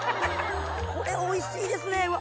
これおいしいですね！